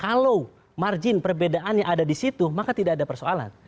kalau margin perbedaannya ada di situ maka tidak ada persoalan